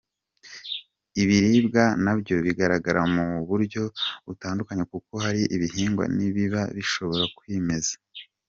Ibiribwa na byo bigaragara mu buryo butandukanye kuko hari ibihingwa n’ibiba bishobora kwimeza.